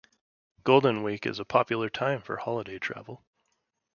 Golden Week is a popular time for holiday travel.